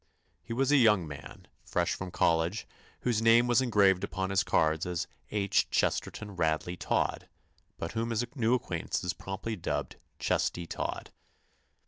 He was a young man, fresh from college, whose name was engraved upon his cards as H. Chesterton Radley Todd, but whom his new acquaintances promptly dubbed "Chesty Todd."